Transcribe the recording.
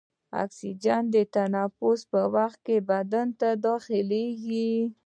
اکسیجن د تنفس په وخت کې بدن ته داخلیږي.